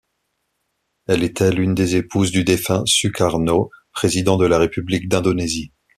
Elle était l'une des épouses du défunt Sukarno, président de la République d'Indonésie.